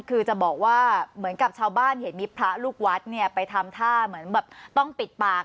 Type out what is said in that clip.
คือจะบอกว่าเหมือนกับชาวบ้านเห็นมีพระลูกวัดเนี่ยไปทำท่าเหมือนแบบต้องปิดปาก